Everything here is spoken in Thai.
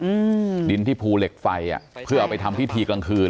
อืมดินที่ภูเหล็กไฟอ่ะเพื่อเอาไปทำพิธีกลางคืน